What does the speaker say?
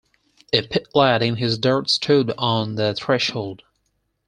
A pit-lad in his dirt stood on the threshold.